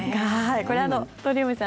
これ鳥海さん